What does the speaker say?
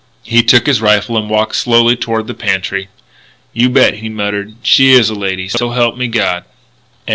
He took his rifle and walked slowly toward the pantry. "You bet," he muttered, "she is a lady, so help me God."